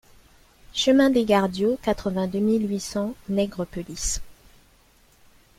Chemin des Gardios, quatre-vingt-deux mille huit cents Nègrepelisse